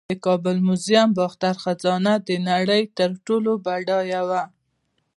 د کابل میوزیم د باختر خزانه د نړۍ تر ټولو بډایه وه